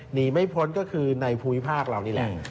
หนีไม่พ้นก็คือในภูมิภาคเรานี่แหละ